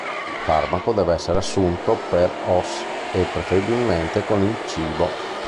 Il farmaco deve essere assunto per os e preferibilmente con il cibo.